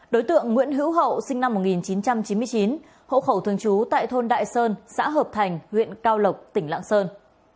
đối tượng nguyễn hữu hậu sinh năm một nghìn chín trăm chín mươi chín hộ khẩu thường trú tại thôn đại sơn xã hợp thành huyện cao lộc tỉnh lạng sơn